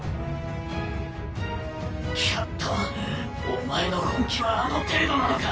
キャットお前の本気はあの程度なのか？